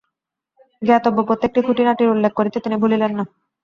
জ্ঞাতব্য প্রত্যেকটি খুঁটিনাটির উল্লেখ করিতে তিনি ভুলিলেন না।